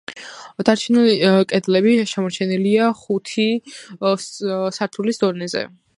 დანარჩენი კედლები შემორჩენილია ხუთი სართულის დონეზე.